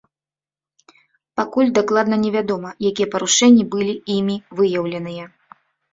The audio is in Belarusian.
Пакуль дакладна невядома, якія парушэнні былі імі выяўленыя.